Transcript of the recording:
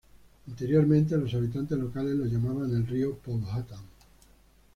Anteriormente, los habitantes locales lo llamaban el río Powhatan.